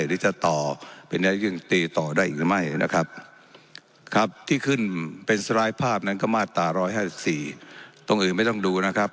มาตรตาร้อยห้าสิบสี่ตรงอื่นไม่ต้องดูนะครับ